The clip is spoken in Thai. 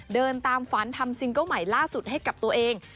เดินตามฝันทำซิงเกิ้ลใหม่ล่าสุดให้กับตัวเอง